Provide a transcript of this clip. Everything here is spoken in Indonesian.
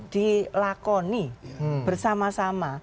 di lakoni bersama sama